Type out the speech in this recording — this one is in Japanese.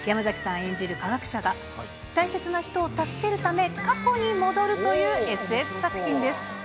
演じる科学者が大切な人を助けるため、過去に戻るというＳＦ作品です。